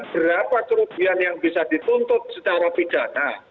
berapa kerugian yang bisa dituntut secara pidana